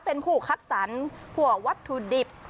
เป็นผู้คัดสรรพวกวัตถุดิบ